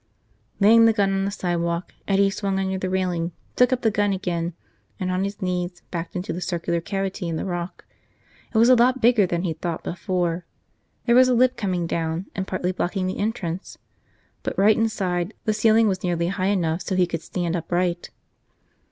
Laying the gun on the sidewalk, Eddie swung under the railing, took up the gun again, and on his knees backed into the circular cavity in the rock. It was a lot bigger than he'd thought before. There was a lip coming down and partly blocking the entrance; but right inside, the ceiling was nearly high enough so he could stand upright.